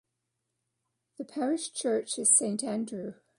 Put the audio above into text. The parish church is Saint Andrew.